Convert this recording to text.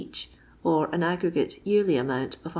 each, or an aggregate yearly amount of 190